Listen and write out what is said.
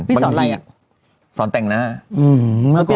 พี่สอนอะไรอ่ะ